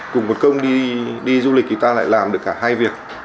cùng một công đi đi du lịch thì ta lại làm được cả hai việc